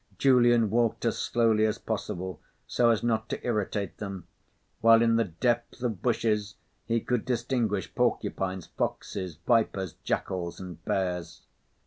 Julian walked as slowly as possible, so as not to irritate them, while in the depth of bushes he could distinguish porcupines, foxes, vipers, jackals, and bears.